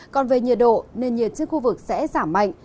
còn về nhiệt độ nền nhiệt trên khu vực sẽ giảm mạnh